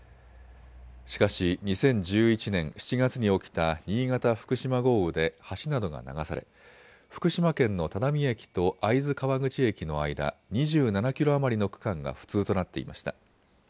しかし２０１１年７月に起きた新潟・福島豪雨で橋などが流され福島県の只見駅と会津川口駅の間２７キロ余りの区間が不通となっていました。